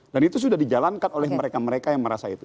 dan itu sudah dijalankan oleh mereka mereka yang merasa itu